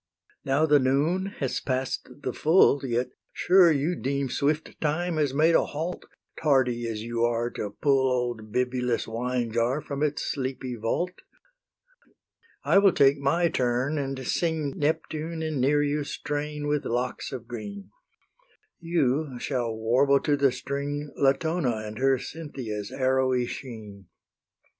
Now the noon has pass'd the full, Yet sure you deem swift Time has made a halt, Tardy as you are to pull Old Bibulus' wine jar from its sleepy vault. I will take my turn and sing Neptune and Nereus' train with locks of green; You shall warble to the string Latona and her Cynthia's arrowy sheen.